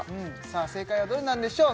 正解はどうなんでしょう